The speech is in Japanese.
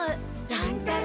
乱太郎。